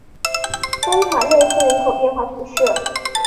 丰塔内斯人口变化图示